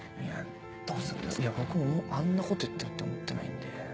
僕もあんなこと言ってるって思ってないんで。